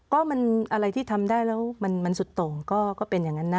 ก็มันอะไรที่ทำได้แล้วมันสุดโต่งก็เป็นอย่างนั้นนะ